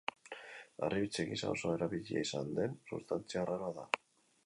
Harribitxi gisa oso erabilia izan den substantzia arraroa da.